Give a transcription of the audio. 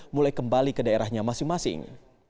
mulai kembali ke daerahnya masing masing